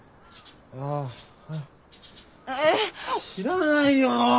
あ知らないよ！